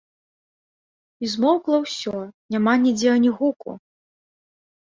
І змоўкла ўсё, няма нідзе ані гуку.